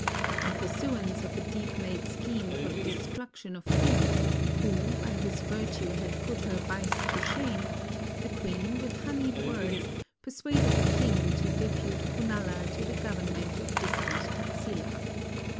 In pursuance of a deep laid scheme for the destruction of him who by his \drtue had put her vice to shame, the queen with honied words persuaded the king to depute Kunala to the gov ernment of distant Taxila.